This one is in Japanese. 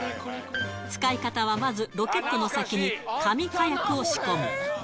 使い方は、まずロケットの先に、紙火薬を仕込む。